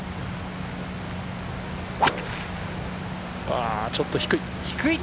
あ、ちょっと低い！